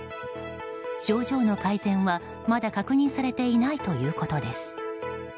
症状の改善はまだ確認されていないということです。